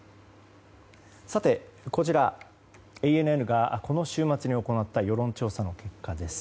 さて、こちらＡＮＮがこの週末に行った世論調査の結果です。